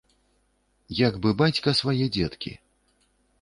Як бы бацька свае дзеткі.